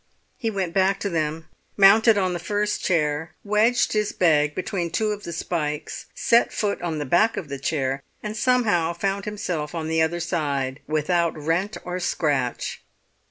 He went back to them, mounted on the first chair, wedged his bag between two of the spikes, set foot on the back of the chair, and somehow found himself on the other side without rent or scratch.